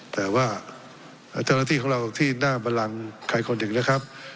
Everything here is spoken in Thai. แต่ว่าเจ้าหน้าที่ของเราที่หน้าบันลังใครคนหนึ่งนะครับ